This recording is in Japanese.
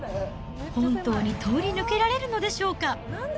本当に通り抜けられるのでしょうか。